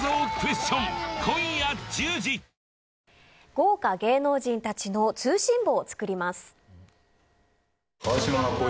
豪華芸能人たちの通信簿を作ります。